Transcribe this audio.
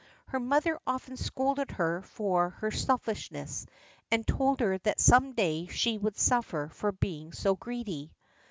Her mother often scolded her for her selfishness, and told her that some day she would suffer for being so greedy.